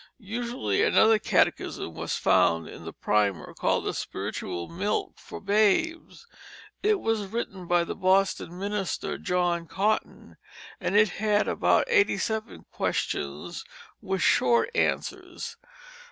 Usually another catechism was found in the primer, called Spiritual Milk for Babes. It was written by the Boston minister, John Cotton, and it had but eighty seven questions with short answers.